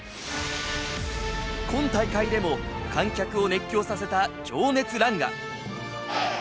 今大会でも観客を熱狂させた情熱ランが。